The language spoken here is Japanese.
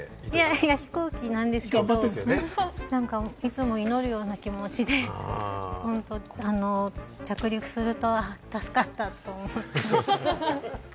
いや、飛行機ですけれども、いつも祈るような気持ちで、着陸すると助かったと思ってます。